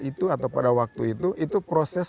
itu atau pada waktu itu itu proses